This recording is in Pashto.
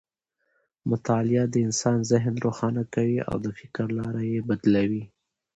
مطالعه د انسان ذهن روښانه کوي او د فکر لاره یې بدلوي.